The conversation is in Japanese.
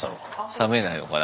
覚めないのかな